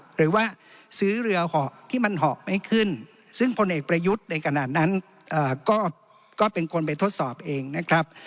หรือว่าซื้อเรือเหาะที่มันเหาะไม่ขึ้นซึ่งพลเอกประยุทธ์ในขณะนั้นก็เป็นคนไปทดสอบเองนะครับ